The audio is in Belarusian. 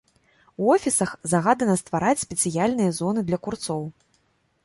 У офісах загадана ствараць спецыяльныя зоны для курцоў.